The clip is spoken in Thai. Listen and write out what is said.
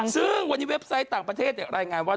ซึ่งวันนี้เว็บไซต์ต่างประเทศรายงานว่า